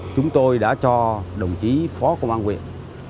chúng tôi đã cho đồng chí phó công an huyện